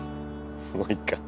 もういいか。